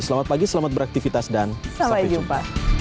selamat pagi selamat beraktivitas dan sampai jumpa